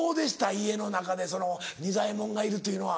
家の中で仁左衛門がいるというのは。